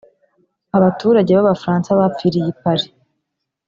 Abaturage b’Abafaransa bapfiriye i Paris